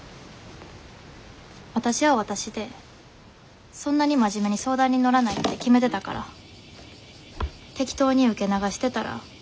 わたしはわたしでそんなに真面目に相談に乗らないって決めてたから適当に受け流してたら。